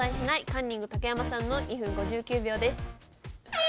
カンニング竹山さんの２分５９秒です。